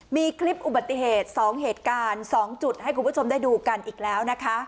มีคลิปอุบัติเหตุ๒เหตุการณ์๒จุดให้คุณผู้ชมได้ดูกันอีกแล้วนะคะ